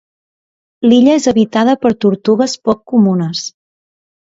L'illa és habitada per tortugues poc comunes.